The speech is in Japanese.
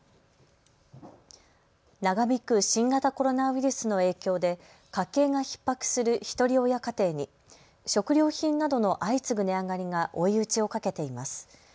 長引く新型コロナウイルスの影響で家計がひっ迫するひとり親家庭に食料品などの相次ぐ値上がりが追い打ちをかけています。